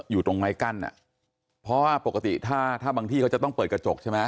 อยู่ตรงไม้กั้นอ่ะเพราะว่าปกติถ้าถ้าบางที่เขาจะต้องเปิดกระจกใช่ไหม